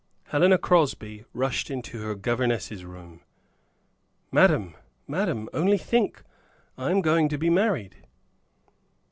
Helena Crosby rushed into her governess's room. "Madam! Madam! Only think. I am going to be married!"